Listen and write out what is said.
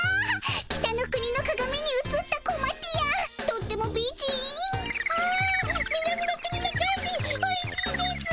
北の国のかがみにうつったコマティアとっても美人！はあ南の国のキャンディーおいしいですぅ！